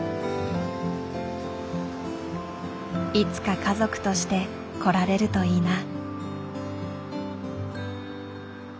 いつか家族として来られるといいな。